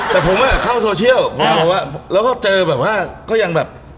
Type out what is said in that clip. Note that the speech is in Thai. แต่ผมอ่ะเข้าโซเชียลแล้วก็เจอแบบว่าก็ยังแบบ